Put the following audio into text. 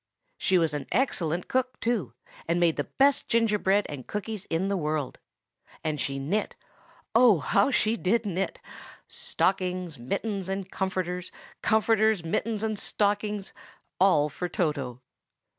She was an excellent cook, too, and made the best gingerbread and cookies in the world. And she knit—oh! how she did knit!—stockings, mittens, and comforters; comforters, mittens, and stockings: all for Toto.